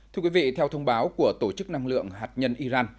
thưa quý vị theo thông báo của tổ chức năng lượng hạt nhân iran